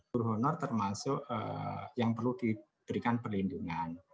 guru honor termasuk yang perlu diberikan perlindungan